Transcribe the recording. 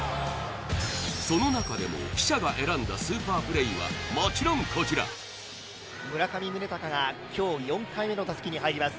そのなかでも記者が選んだスーパープレーはもちろんこちら村上宗隆がきょう４回目の打席に入ります